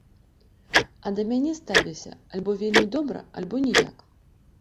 А да мяне ставіліся альбо вельмі добра, альбо ніяк.